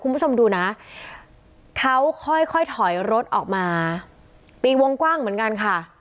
คุณผู้ชมดูนะเขาค่อยค่อยถอยรถออกมาตีวงกว้างเหมือนกันค่ะ